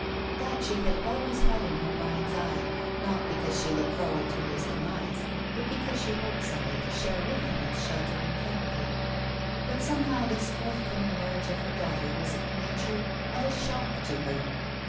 That she had always had in her mind's eye, not because she looked forward to his demise, but because she hoped some day to share with him its sheltering canopy. But somehow this forthcoming marriage of her daughter was in the nature of a shock to her.